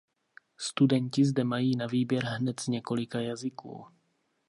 Studenti zde mají na výběr hned z několika jazyků.